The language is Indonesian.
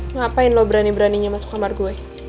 ngapain lo berani beraninya masuk kamar gue